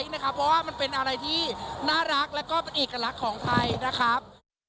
เพราะว่ามันเป็นอะไรที่น่ารักแล้วก็เป็นเอกลักษณ์ของไทยนะครับ